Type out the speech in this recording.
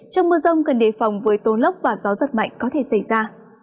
trong mưa rông cần đề phòng với tô lốc và gió giật mạnh có thể xảy ra